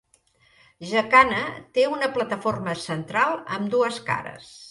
Jacana té una plataforma central amb dues cares.